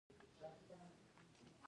افغانستان د ښتې له امله شهرت لري.